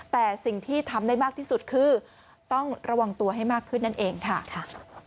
แต่สิ่งที่ทำได้มากที่สุดคือต้องระวังตัวให้มากขึ้นนั่นเองค่ะ